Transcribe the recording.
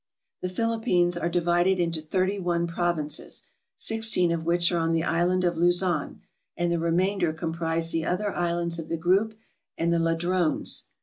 The Philippines are divided into thirty one provinces, sixteen of which are on the island of Luzon, and the re mainder comprise the other islands of the group and the Ladrones.